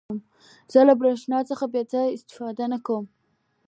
زه د برېښنا څخه بې ځایه استفاده نه کوم.